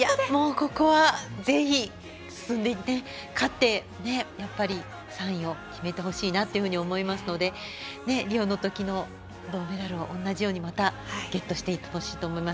ここは、ぜひ勝って３位を決めてほしいなと思いますのでリオのときの銅メダルを同じようにまたゲットしてほしいと思います。